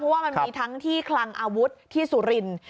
ว่ามันมีทั้งที่คลังอาวุธที่สุรินทร์